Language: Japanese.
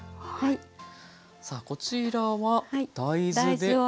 さあこちらは大豆で。